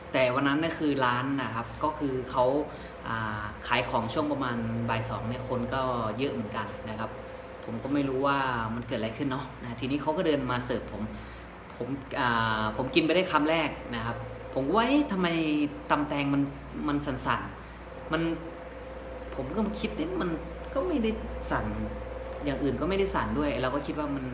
แต่วันนั้นน่ะคือร้านนะครับก็คือเขาขายของช่วงประมาณบ่ายสองเนี่ยคนก็เยอะเหมือนกันนะครับผมก็ไม่รู้ว่ามันเกิดอะไรขึ้นเนาะทีนี้เขาก็เดินมาเสิร์ฟผมผมกินไปได้คำแรกนะครับผมก็ไว้ทำไมตำแตงมันมันสั่นมันผมก็คิดนิดมันก็ไม่ได้สั่นอย่างอื่นก็ไม่ได้สั่นด้วยเราก็คิดว่ามัน